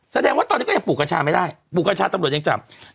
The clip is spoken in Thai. แสดงว่าตอนนี้ก็ยังปลูกกัญชาไม่ได้ปลูกกัญชาตำรวจยังจับ